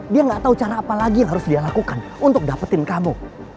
dia gak tahu cara apa lagi yang harus dia lakukan untuk dapetin kamu